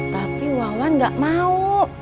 tapi wawan gak mau